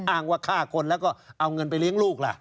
อ้างว่าฆ่าคนแล้วก็เอาเงินไปเลี้ยงลูกล่ะ